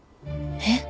えっ？